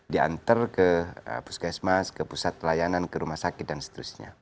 diantar ke puskesmas ke pusat pelayanan ke rumah sakit dan seterusnya